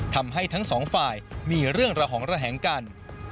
ทั้งสองฝ่ายมีเรื่องระหองระแหงกัน